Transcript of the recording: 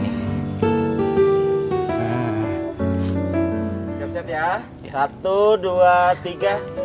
siap siap ya satu dua tiga